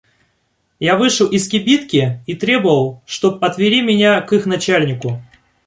Я вышел из кибитки и требовал, чтоб отвели меня к их начальнику.